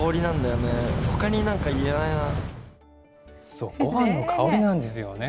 そう、ごはんの香りなんですよね。